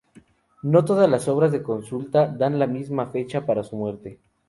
No todas las obras de consulta dan la misma fecha para su muerte.